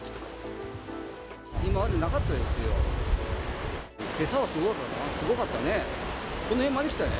今までなかったですよ。